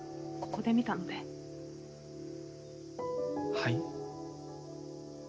はい？